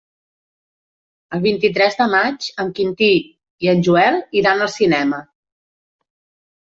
El vint-i-tres de maig en Quintí i en Joel iran al cinema.